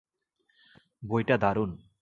বইটা দারুণ।